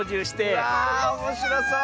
わあおもしろそう！